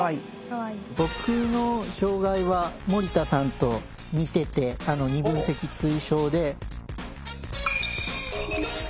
僕の障害は森田さんと似てて二分脊椎症で。